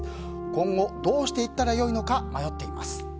今後、どうしていったら良いのか迷っています。